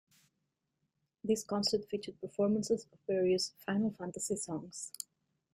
This concert featured performances of various "Final Fantasy" songs.